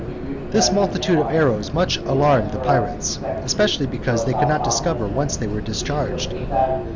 This multitude of arrows much alarmed the pirates, especially because they could not discover whence they were discharged.